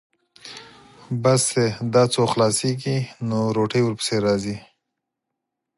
بس چې دا څو خلاصېږي، نو روټۍ ورپسې راځي.